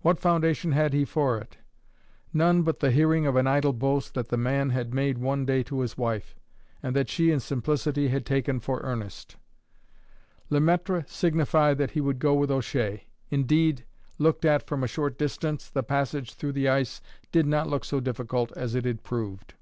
What foundation had he for it? None but the hearing of an idle boast that the man had made one day to his wife, and that she in simplicity had taken for earnest. Le Maître signified that he would go with O'Shea. Indeed, looked at from a short distance, the passage through the ice did not look so difficult as it had proved.